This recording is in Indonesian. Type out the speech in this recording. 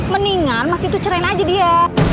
mendingan mas itu cerain aja dia